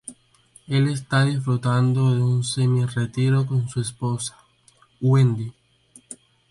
Él está disfrutando de un semi-retiro con su esposa, Wendi.